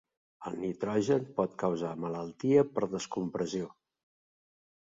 El nitrogen pot causar malaltia per descompressió.